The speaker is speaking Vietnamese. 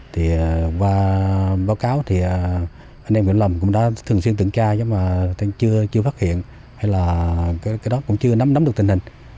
thì qua báo cáo thì anh em vĩnh lâm cũng đã thường xuyên tửn tra nhưng mà chưa phát hiện hay là cái đó cũng chưa nắm được tình hình